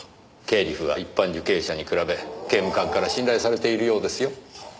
経理夫は一般受刑者に比べ刑務官から信頼されているようですよ。